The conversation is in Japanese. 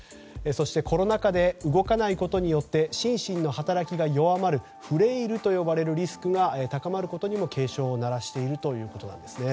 そしてコロナ禍で動かないことによって心身の働きが弱まるフレイルと呼ばれるリスクが高まることにも警鐘を鳴らしているということです。